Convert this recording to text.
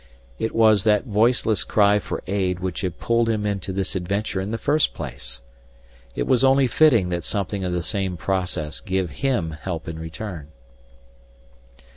It was that voiceless cry for aid which had pulled him into this adventure in the first place. It was only fitting that something of the same process give him help in return.